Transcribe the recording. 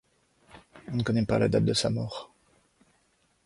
On ne connaît pas la date de sa mort.